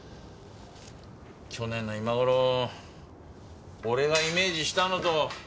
去年の今頃俺がイメージしたのと。